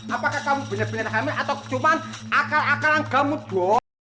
apakah kamu benar benar hamil atau cuma akal akal anggamu doh